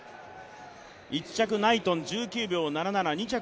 １着ナイトン１９秒７７２着